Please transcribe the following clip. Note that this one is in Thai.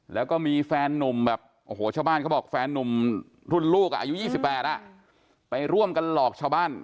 แล้วก็มีแฟนนุ่มแบบโอ้โหชาวบ้านเขาบอกแฟนนุ่มรุ่นลูกอายุ๒๘ไปร่วมกันหลอกชาวบ้าน